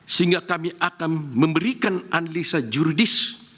sehingga kami akan memberikan analisa jurdis